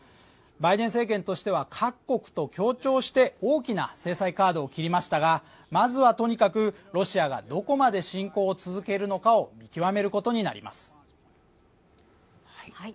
バイデン政権としては各国と協調して大きな制裁カードを切りましたが、まずはとにかくロシアがどこまで侵攻するのかを見極めることになります。